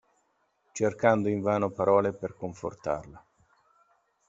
Cercando invano parole per confortarla.